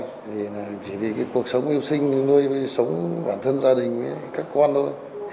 thì chỉ vì cái cuộc sống yêu sinh nuôi với sống bản thân gia đình với các con thôi